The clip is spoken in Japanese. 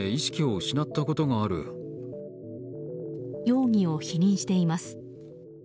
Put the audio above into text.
容疑を否認しています。